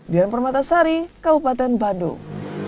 dian permatasari kabupaten bandung